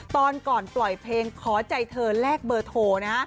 ตอนก่อนปล่อยเพลงขอใจเธอแลกเบอร์โทรนะฮะ